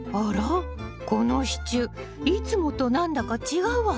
この支柱いつもと何だか違うわね。